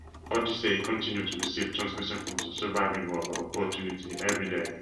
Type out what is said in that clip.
"Odyssey" continues to receive transmissions from the surviving rover, "Opportunity", every day.